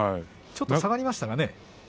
ちょっと下がりましたけれどね。